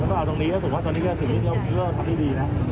นั้นก็เอาตรงนี้ผมว่าตรงนี้จะถึงนี้เดียวผมก็ทำให้ดีนะ